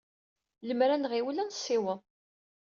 Lemmer ad nɣiwel, ad nessiweḍ.